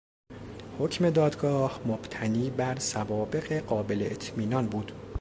حکم دادگاه مبتنی بر سوابق قابل اطمینان بود.